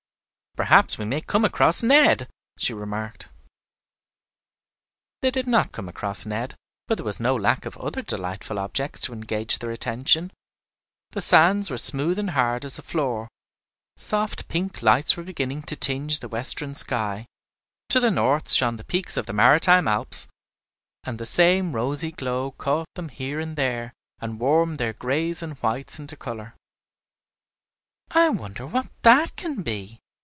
"Perhaps we may come across Ned," she remarked. They did not come across Ned, but there was no lack of other delightful objects to engage their attention. The sands were smooth and hard as a floor. Soft pink lights were beginning to tinge the western sky. To the north shone the peaks of the maritime Alps, and the same rosy glow caught them here and there, and warmed their grays and whites into color. "I wonder what that can be?"